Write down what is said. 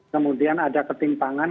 kemudian ada ketimpangan